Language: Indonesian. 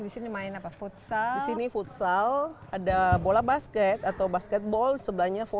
dibuat supaya betah